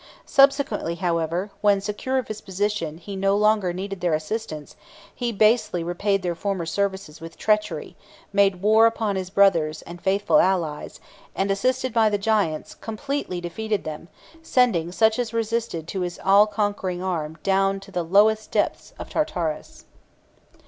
Subsequently, however, when, secure of his position, he no longer needed their assistance, he basely repaid their former services with treachery, made war upon his brothers and faithful allies, and, assisted by the Giants, completely defeated them, sending such as resisted his all conquering arm down into the lowest depths of Tartarus.